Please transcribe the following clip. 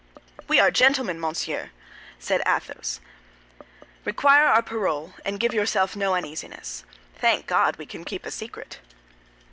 "We are gentlemen, monseigneur," said Athos; "require our parole, and give yourself no uneasiness. Thank God, we can keep a secret."